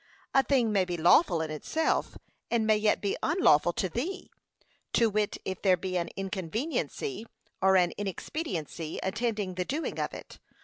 A thing may be lawful in itself, and may yet be unlawful to thee; to wit, if there be an inconveniency, or an inexpediency attending the doing of it.